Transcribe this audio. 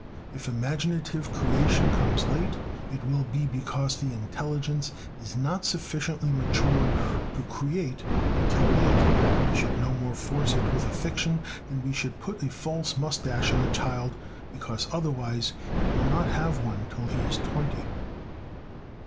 If imaginative creation comes late, it will be because the intelligence is not sufficiently mature to create until late; and we should no more force it with a fiction than we would put a false mustache on a child because otherwise he will not have one till he is twenty.